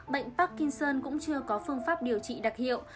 bệnh parkinson cũng chưa có phương pháp điều trị đặc hiệu